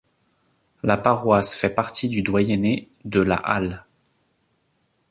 La paroisse fait partie du doyenné de la Halle.